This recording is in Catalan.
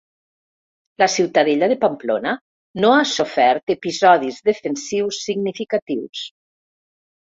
La ciutadella de Pamplona no ha sofert episodis defensius significatius.